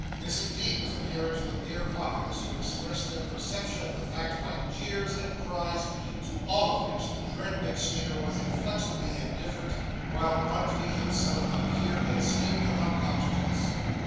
This, indeed, was apparent to the mere populace, who expressed their perception of the fact by jeers and cries; to all of which, the dread MacStinger was inflexibly indifferent, while Bunsby himself appeared in a state of unconsciousness.